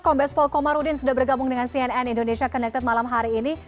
kombes pol komarudin sudah bergabung dengan cnn indonesia connected malam hari ini